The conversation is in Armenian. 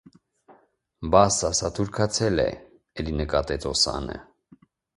բաս ասա թուրքացել է, է՛լի,- նկատեց Օսանը: